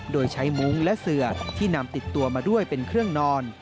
โดยใช้มุ้งและเสือที่นำติดตัวมาด้วยเป็นเครื่องนอน